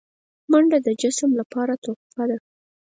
منډه د جسم لپاره تحفه ده